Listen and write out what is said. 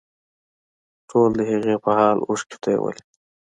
ټولو د هغې په حال اوښکې تویولې